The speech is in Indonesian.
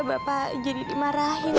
bapak jadi dimarahin